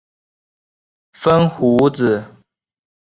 风胡子。